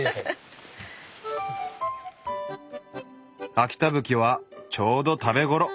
秋田ぶきはちょうど食べ頃。